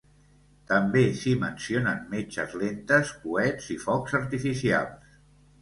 També s'hi mencionen metxes lentes, coets i focs artificials.